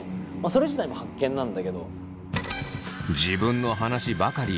それ自体も発見なんだけど。